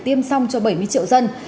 tiêm xong cho bảy mươi triệu dân